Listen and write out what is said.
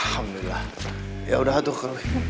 alhamdulillah yaudah tuh